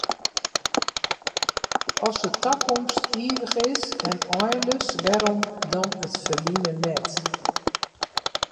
As de takomst ivich is en einleas, wêrom dan it ferline net?